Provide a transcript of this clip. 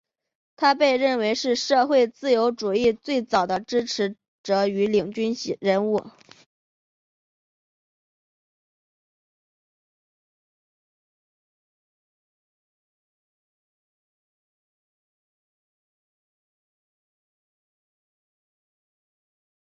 他被认为是社会自由主义最早的支持者与领军人物。